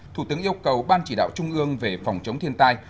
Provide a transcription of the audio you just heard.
thủ tướng yêu cầu ban chỉ đạo trung ương về phòng chống thiên tai